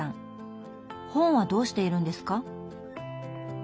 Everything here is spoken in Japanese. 本はどうしているんですか？